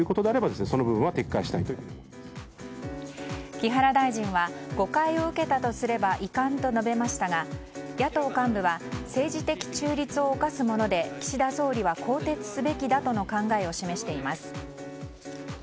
木原大臣は誤解を受けたとすれば遺憾と述べましたが野党幹部は政治的中立を侵すもので岸田総理は更迭すべきだとの考えを示しています。